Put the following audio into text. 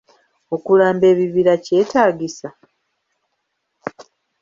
Okulamba ebibira kyetaagisa?